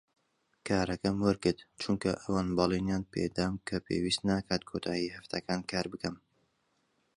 کارەکەم وەرگرت چونکە ئەوان بەڵێنیان پێ دام کە پێویست ناکات کۆتایی هەفتەکان کار بکەم.